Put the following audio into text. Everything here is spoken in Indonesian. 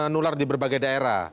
ini menular di berbagai daerah